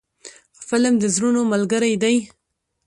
فلم د زړونو ملګری دی